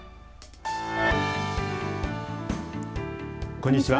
こんにちは。